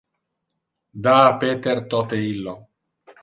Da a Peter tote illo.